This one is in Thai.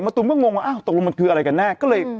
ตูมก็งงว่าอ้าวตกลงมันคืออะไรกันแน่ก็เลย